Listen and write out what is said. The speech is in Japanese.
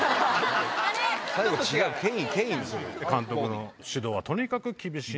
監督の指導はとにかく厳しい。